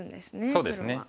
そうですね。